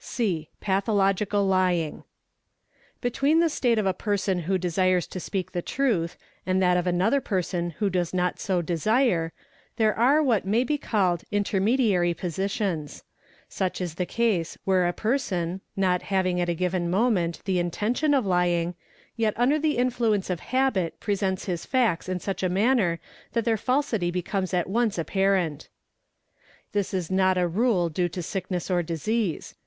Pathological Lying. Between the state of a person who desires to speak the truth and that of another person who does not so desire, there are what may be called intermediary positions ; such is the case where a person, not having at a given moment the intention of lying, yet under the influence | of habit presents his facts in such a manner that their falsity becomes at once apparent. This is not as a rule due' to sickness or disease.